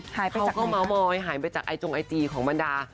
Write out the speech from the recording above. เหล่าก็มาวมอยหายไปจากชื่องไอจีของมนตรา